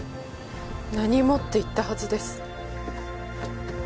何もって言ったはずです。